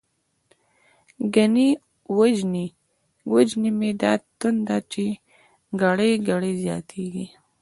گڼی وژنی می دا تنده، چی گړی گړی زیاتتیږی